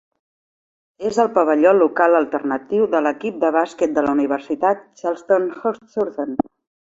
És el pavelló local alternatiu de l'equip de bàsquet de la Universitat Charleston Southern.